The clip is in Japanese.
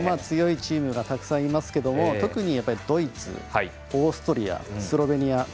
強いチームがたくさんいますけど特にドイツオーストリア、スロベニア。